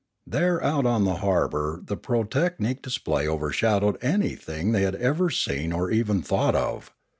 There out on the harbour the pyrotechnic display overshadowed anything they had ever seen or even thought of.